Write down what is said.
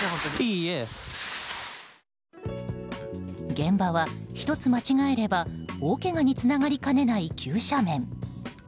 現場は、１つ間違えれば大けがにつながりかねない急斜面。